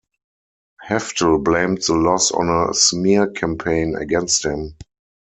Heftel blamed the loss on a smear campaign against him.